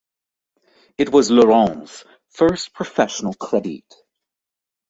It was Laurents' first professional credit.